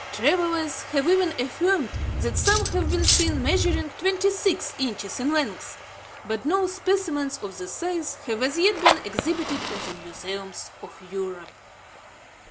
Travellers have even affirmed that some have been seen measuring twenty six inches in length; but no specimens of this size have as yet been exhibited in the museums of Europe.